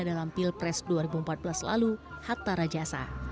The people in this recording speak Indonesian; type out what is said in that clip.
dalam pilpres dua ribu empat belas lalu hatta rajasa